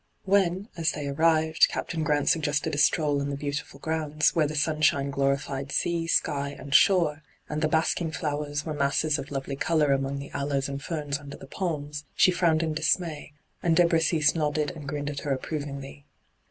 When, as they arrived, Captain Grant suggested a stroll in the beautiful grounds, where the sunshine glorified sea, sky, and shore, and the basking flowers were masses of lovely colour among the aloes and ferns under the palms, she frowned in dismay, and De Bressis nodded and grinned at her approvingly.